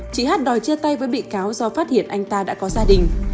chị hát đòi chia tay với bị cáo do phát hiện anh ta đã có gia đình